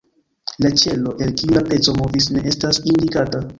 La ĉelo, el kiu la peco movis, ne estas indikata.